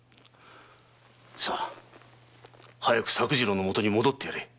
さあ早く作次郎のもとに戻ってやれ。